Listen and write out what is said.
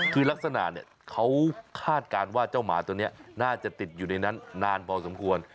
คือลักษณะเขาคาดการณ์ว่าเจ้าหมาตัวนี้น่าจะติดอยู่ในนั้นนานพอสมควร